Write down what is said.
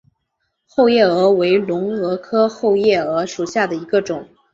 后夜蛾为隆蛾科后夜蛾属下的一个种。